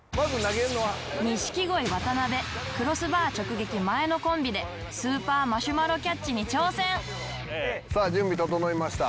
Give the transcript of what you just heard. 錦鯉渡辺クロスバー直撃前野コンビでスーパーマシュマロキャッチに挑戦！さあ準備整いました。